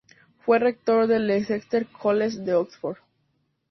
Fue rector del Exeter College de Oxford.